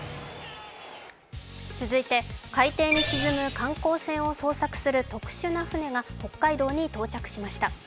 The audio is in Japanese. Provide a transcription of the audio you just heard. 続いて、海底に沈む観光船を捜索する特殊な船が北海道に到着しました。